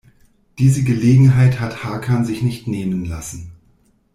Diese Gelegenheit hat Hakan sich nicht nehmen lassen.